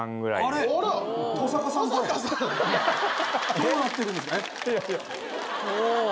どうなってるんです